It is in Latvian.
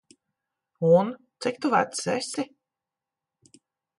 Un, cik tu vecs esi?